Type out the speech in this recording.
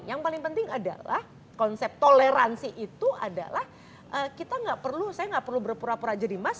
yang paling penting adalah konsep toleransi itu adalah kita nggak perlu saya nggak perlu berpura pura jadi mas